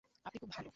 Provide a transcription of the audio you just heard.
আপনি খুব ভালো।